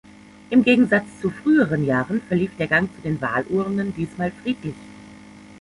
Im Gegensatz zu früheren Jahren verlief der Gang zu den Wahlurnen diesmal friedlich.